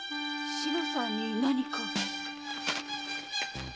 志乃さんに何か。